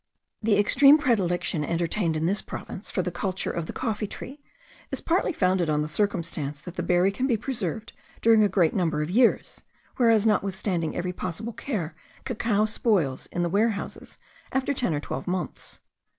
The extreme predilection entertained in this province for the culture of the coffee tree is partly founded on the circumstance that the berry can be preserved during a great number of years; whereas, notwithstanding every possible care, cacao spoils in the warehouses after ten or twelve months.